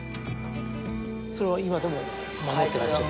それは今でも守ってらっしゃる。